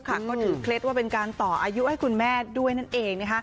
ก็ถือเคล็ดว่าเป็นการต่ออายุให้คุณแม่ด้วยนั่นเอง